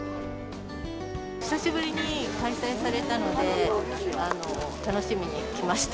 久しぶりに開催されたので、楽しみに来ました。